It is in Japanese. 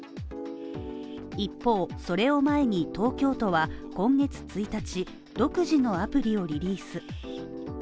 一方、それを前に、東京都は今月１日、独自のアプリをリリース。